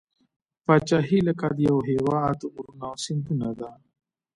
پاچهي لکه د یوه هیواد غرونه او سیندونه ده.